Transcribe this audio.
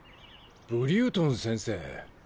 ブリュートン先生。